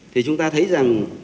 thì chúng ta thấy rằng